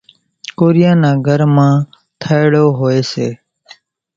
ڪورِيان نان گھران مان ٿائيڙو هوئيَ سي۔